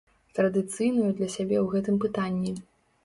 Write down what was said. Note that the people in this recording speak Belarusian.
Традыцыйную для сябе ў гэтым пытанні.